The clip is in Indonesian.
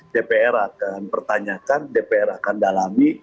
dpr akan pertanyakan dpr akan dalami